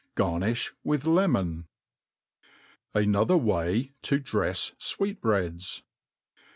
Garniib with lemon. Another Way to dreft Sweethrgiids.